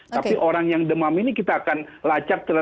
tapi orang yang demam ini kita akan lacak